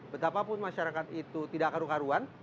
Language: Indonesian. betapapun masyarakat itu tidak karuan karuan